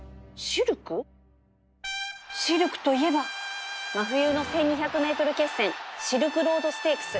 シルクといえば真冬の １，２００ｍ 決戦シルクロードステークス